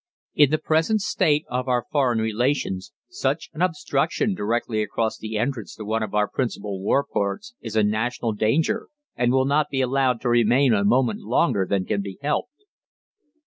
In the present state of our foreign relations such an obstruction directly across the entrance to one of our principal war ports is a national danger, and will not be allowed to remain a moment longer than can be helped."